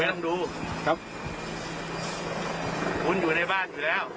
ไม่ต้องดูคุณอยู่ในบ้านอยู่แล้ว